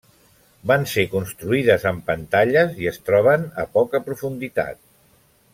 Van ser construïdes amb pantalles i es troben a poca profunditat.